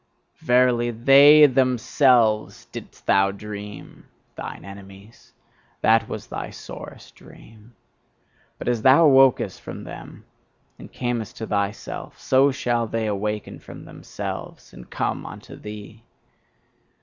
Verily, THEY THEMSELVES DIDST THOU DREAM, thine enemies: that was thy sorest dream. But as thou awokest from them and camest to thyself, so shall they awaken from themselves and come unto thee!"